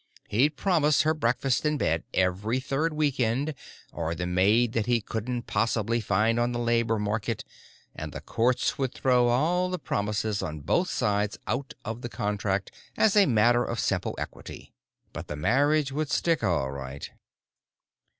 He'd promise her breakfast in bed every third week end, or the maid that he couldn't possibly find on the labor market, and the courts would throw all the promises on both sides out of the contract as a matter of simple equity. But the marriage would stick, all right.